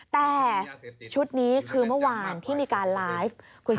แต่ชุดนี้คือเมื่อวานที่มีการไลฟ์